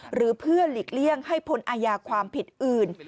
หรือเพื่อหลีกเลี่ยงให้พ้นอาญาความผิดอื่น